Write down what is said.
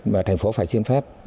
và thành phố phải xin phép